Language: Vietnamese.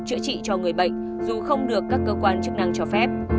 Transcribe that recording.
chữa trị cho người bệnh dù không được các cơ quan chức năng cho phép